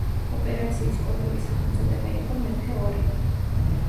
ოპერაციის კოდური სახელწოდება იყო „მეფე ორი“.